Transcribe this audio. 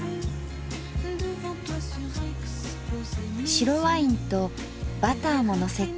白ワインとバターものせて。